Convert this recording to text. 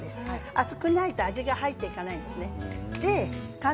熱くないと味が入っていかないんですね。